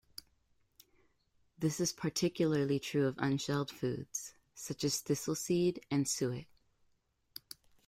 This is particularly true of unshelled foods, such as thistle seed and suet.